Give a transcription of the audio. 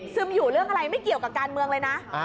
อยู่เรื่องอะไรไม่เกี่ยวกับการเมืองเลยนะ